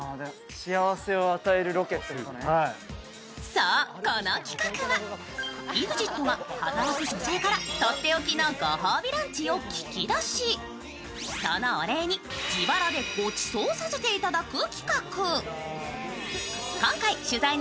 そう、この企画はＥＸＩＴが働く女性からとっておきのご褒美ランチを聞き出し、そのお礼に自腹でごちそうさせていただく企画。